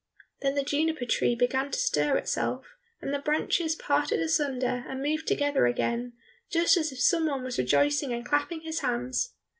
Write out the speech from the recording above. Then the juniper tree began to stir itself, and the branches parted asunder, and moved together again, just as if some one was rejoicing and clapping his hands.